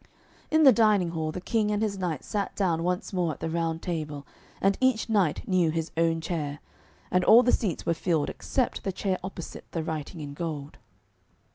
In the dining hall the King and his knights sat down once more at the Round Table, and each knight knew his own chair. And all the seats were filled except the chair opposite the writing in gold.